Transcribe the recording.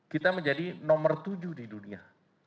kita menjadi nomor tujuh di dunia